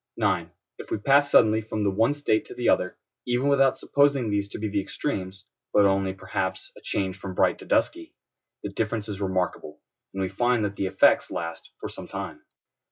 9. If we pass suddenly from the one state to the other, even without supposing these to be the extremes, but only, perhaps, a change from bright to dusky, the difference is remarkable, and we find that the effects last for some time.